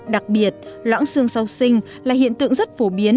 đặc biệt loãng xương sau sinh là hiện tượng rất phổ biến